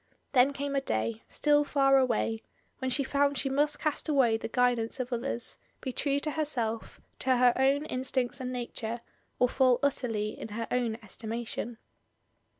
Then came a day, still far away, when she found she must cast away the guidance of others. 184 MRS. DYMOND. be trae to herself, to her own instincts and nature, or fall utterly in her own estimation.